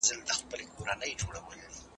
د کندهار صنعت کي د پانګې ساتنه څنګه کېږي؟